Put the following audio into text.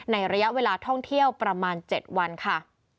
ในระยะเวลาท่องเที่ยวประมาณ๗วันค่ะ